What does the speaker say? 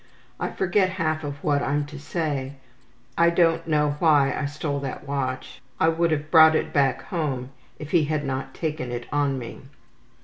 I forget half of what I'm to say. I don't know why I stole that watch. I would have brought it back home if he had not taken it on me.